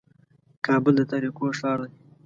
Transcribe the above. کابل د تاریکو ښار دی.